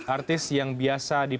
artis yang biasa diperkenalkan